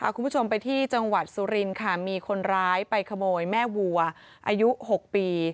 คุณผู้ชมไปที่จังหวัดสุรินค่ะมีคนร้ายไปขโมยแม่วัวอายุ๖ปี